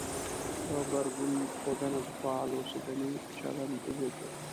غبرګون ښودنه د فعال اوسېدنې چلند ضد دی.